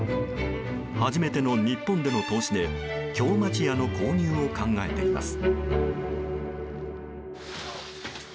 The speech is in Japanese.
初めての、日本での投資で京町家の購入を考えています。